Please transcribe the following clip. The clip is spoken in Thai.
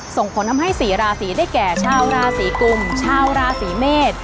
ส่งผลทำให้สี่ราศีได้แก่ชาวราศีกุมชาวราศีเมษ